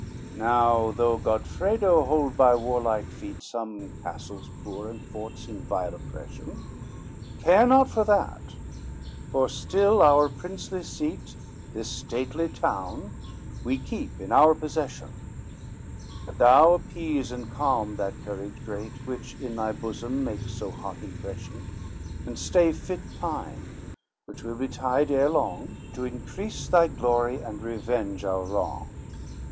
XI "Now though Godfredo hold by warlike feat Some castles poor and forts in vile oppression, Care not for that; for still our princely seat, This stately town, we keep in our possession, But thou appease and calm that courage great, Which in thy bosom make so hot impression; And stay fit time, which will betide ere long, To increase thy glory, and revenge our wrong."